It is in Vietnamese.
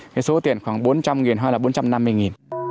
cái số tiền khoảng bốn trăm linh nghìn hay là bốn trăm năm mươi nghìn